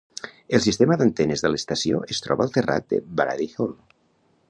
El sistema d'antenes de l'estació es troba al terrat de Brady Hall.